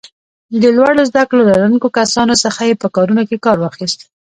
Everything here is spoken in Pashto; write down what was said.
د لوړو زده کړو لرونکو کسانو څخه یې په کارونو کې کار واخیست.